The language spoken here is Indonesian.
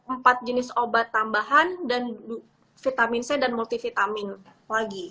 empat jenis obat tambahan dan vitamin c dan multivitamin lagi